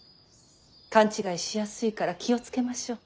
勘違いしやすいから気を付けましょう。